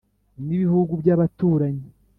n ibihugu by abaturanyi